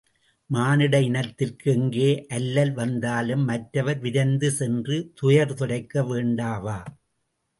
மானிட இனத்திற்கு எங்கே அல்லல் வந்தாலும் மற்றவர் விரைந்து சென்று துயர்துடைக்க வேண்டாவா?